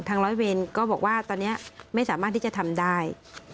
ร้อยเวรก็บอกว่าตอนนี้ไม่สามารถที่จะทำได้